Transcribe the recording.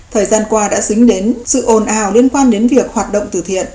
thời gian qua đã dính đến sự ồn ào liên quan đến việc hoạt động từ thiện